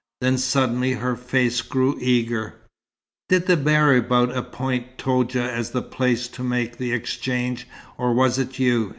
Then suddenly her face grew eager. "Did the marabout appoint Toudja as the place to make the exchange, or was it you?"